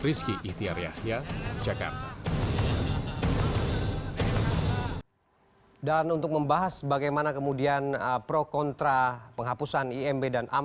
rizky itiar yahya jakarta